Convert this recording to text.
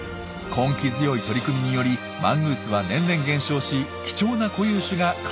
根気強い取り組みによりマングースは年々減少し貴重な固有種が回復しつつあります。